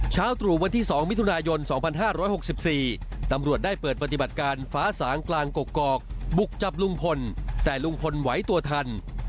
ตรู่วันที่๒มิถุนายน๒๕๖๔ตำรวจได้เปิดปฏิบัติการฟ้าสางกลางกกอกบุกจับลุงพลแต่ลุงพลไหวตัวทัน